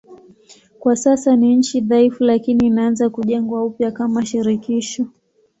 Kwa sasa ni nchi dhaifu lakini inaanza kujengwa upya kama shirikisho.